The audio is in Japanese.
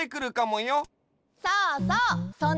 そうそう！